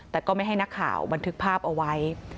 แต่ก็ไม่ให้นักข่าวบันทึกภาพเอาไว้